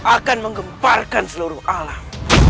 akan mengembarkan seluruh alam